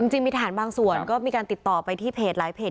จริงมีทหารบางส่วนก็มีการติดต่อไปที่เพจหลายเพจ